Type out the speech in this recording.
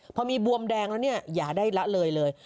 พอมีบวมแดงแล้วเนี่ยอย่าได้ละเลยเลย